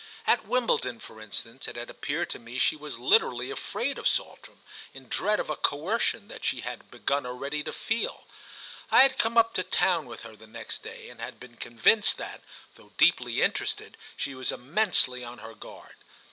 At Wimbledon for instance it had appeared to me she was literally afraid of Saltram, in dread of a coercion that she had begun already to feel. I had come up to town with her the next day and had been convinced that, though deeply interested, she was immensely on her guard.